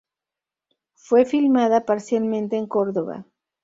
Fue filmada parcialmente en Córdoba.